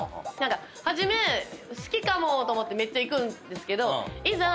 初め好きかもと思ってめっちゃいくんですけどいざ